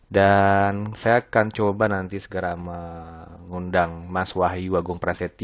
dan saya akan coba nanti segera mengundang mas wahyu agung presetio